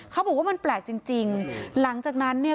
เขาบอกว่ามันแปลกจริงจริงหลังจากนั้นเนี่ย